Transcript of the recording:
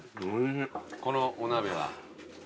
このお鍋は？